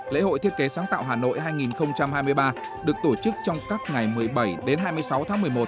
lễ hội thiết kế sáng tạo hà nội hai nghìn hai mươi ba được tổ chức trong các ngày một mươi bảy đến hai mươi sáu tháng một mươi một